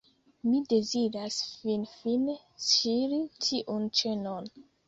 Mi deziras finfine ŝiri tiun ĉenon.